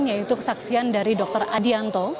yaitu kesaksian dari dr adianto